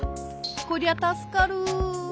こりゃたすかる。